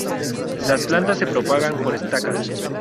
Las plantas se propagan por estacas.